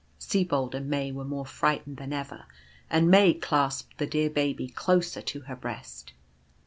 Sibold and May were more frightened than ever, and May clasped the dear Baby closer to her breast.